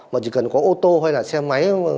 mà chỉ cần có ô tô hay là xe máy